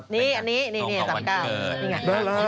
นี่นี้ซับปีก้าว